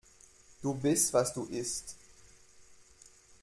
Du bist, was du isst.